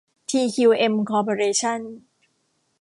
ทีคิวเอ็ม คอร์ปอเรชั่น